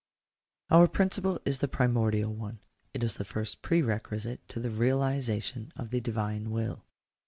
§ 1. Our principle is the primordial one. It is the first prere quisite to the realization of the Divine will.